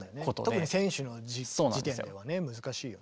特に選手の時点ではね難しいよね。